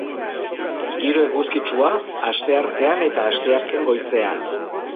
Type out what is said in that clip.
Giro eguzkitsua asteartean eta asteazken goizean.